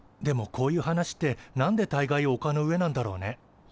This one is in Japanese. でもこういう話ってなんでたいがいおかの上なんだろうね。